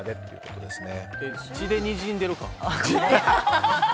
血でにじんでいるか？